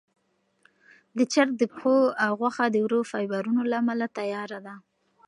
چرګ د پښو غوښه د ورو فایبرونو له امله تیاره ده.